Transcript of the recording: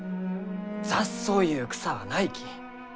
雑草ゆう草はないき。